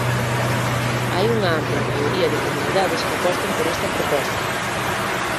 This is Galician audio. Hai unha ampla maioría de comunidades que apostan por esta proposta.